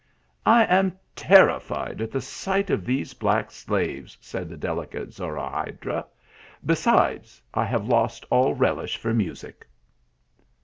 " I am terrified at the sight of these black slaves," said the delicate Zorahayda ;" beside, I have lost all relish for music."